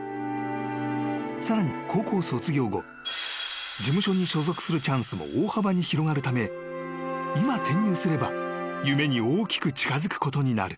［さらに高校卒業後事務所に所属するチャンスも大幅に広がるため今転入すれば夢に大きく近づくことになる］